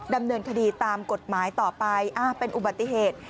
ดำเนินคดีตามกฎหมายต่อไปเป็นอุบัติเหตุ